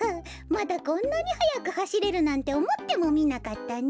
まだこんなにはやくはしれるなんておもってもみなかったね。